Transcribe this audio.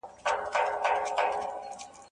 اوسپنيز ډسپلين د چين د پياوړتيا راز دی.